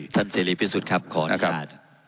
เสรีพิสุทธิ์ครับขออนุญาต